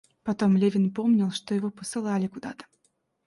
Потом Левин помнил, что его посылали куда-то.